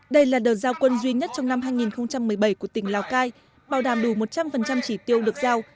đây là đợt giao quân duy nhất trong năm hai nghìn một mươi bảy của tỉnh lào cai bảo đảm đủ một trăm linh chỉ tiêu được giao